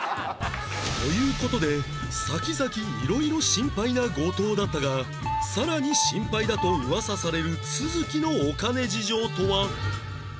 という事で先々色々シンパイな後藤だったがさらにシンパイだと噂される都築のお金事情とは？